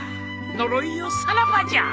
呪いよさらばじゃ。